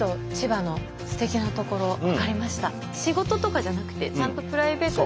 仕事とかじゃなくてちゃんとプライベートで。